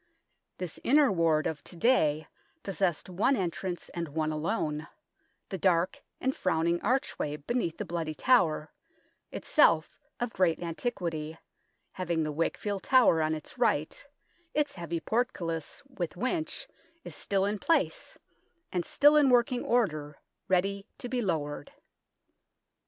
This Inner Ward of to day possessed one entrance, and one alone the dark and frowning archway beneath the Bloody Tower, itself of great antiquity, having the Wakefield Tower on its right ; its heavy portcullis, with winch, is still in place, and still in working order, ready to be lowered.